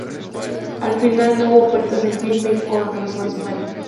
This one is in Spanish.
Al final no hubo ofertas en firme y Cohen regresó a España.